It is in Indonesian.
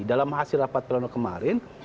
dalam hasil rapat pelan pelan kemarin